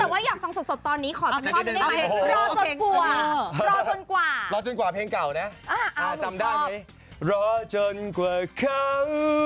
ว่าจะช้องนั้งหรือว่าระวังให้รู้